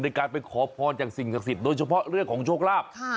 ในการไปขอพรจากสิ่งศักดิ์สิทธิ์โดยเฉพาะเรื่องของโชคลาภ